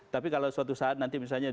tapi kalau suatu saat nanti misalnya